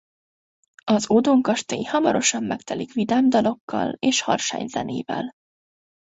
Az ódon kastély hamarosan megtelik vidám dalokkal és harsány zenével.